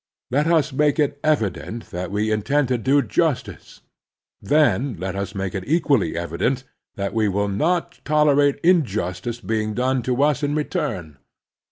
Let us make it evident that we intend to do justice. Then let us make it equally evident that we will not tolerate injustice being done to us in return.